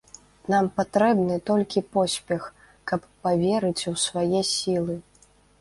Нам патрэбны толькі поспех, каб паверыць у свае сілы.